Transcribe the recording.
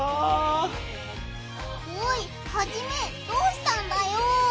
おいハジメどうしたんだよ！